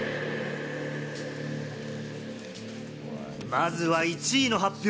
まずは１位の発表。